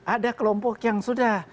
ada kelompok yang sudah